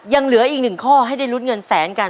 ยังเหลืออีกหนึ่งข้อให้ได้ลุ้นเงินแสนกัน